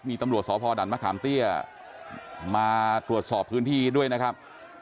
มีตำรวจสพดันมะขามเตี้ยมาตรวจสอบพื้นที่ด้วยนะครับ